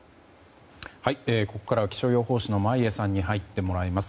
ここからは気象予報士の眞家さんに入ってもらいます。